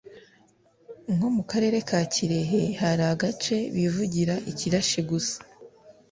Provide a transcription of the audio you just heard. Nkomukarere ka kirehe haragace bivugira ikirashi gusa